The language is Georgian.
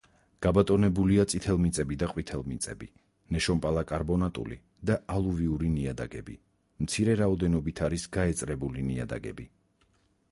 გაბატონებულია წითელმიწები და ყვითელმიწები, ნეშომპალა-კარბონატული და ალუვიური ნიადაგები, მცირე რაოდენობით არის გაეწრებული ნიადაგები.